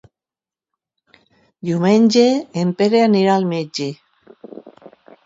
Diumenge en Pere anirà al metge.